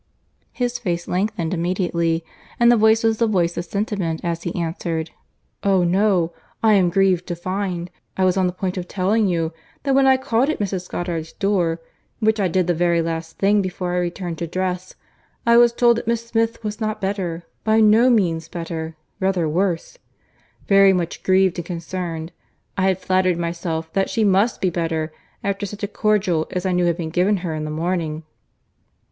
His face lengthened immediately; and his voice was the voice of sentiment as he answered. "Oh! no—I am grieved to find—I was on the point of telling you that when I called at Mrs. Goddard's door, which I did the very last thing before I returned to dress, I was told that Miss Smith was not better, by no means better, rather worse. Very much grieved and concerned—I had flattered myself that she must be better after such a cordial as I knew had been given her in the morning."